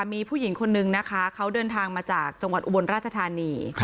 มีผู้หญิงคนนึงนะคะเขาเดินทางมาจากจังหวัดอุบลราชธานี